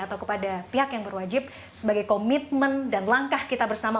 atau kepada pihak yang berwajib sebagai komitmen dan langkah kita bersama